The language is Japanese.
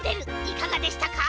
いかがでしたか？